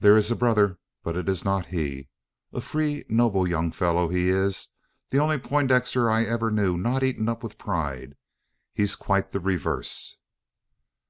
"There is a brother, but it's not he. A free noble young fellow he is the only Poindexter I ever knew not eaten up with pride, he's quite the reverse."